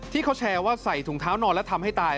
ที่เขาแชร์ว่าใส่ถุงเท้านอนแล้วทำให้ตาย